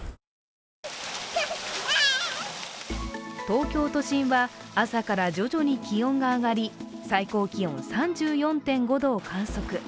東京都心は朝から徐々に気温が上がり最高気温３４．５度を観測。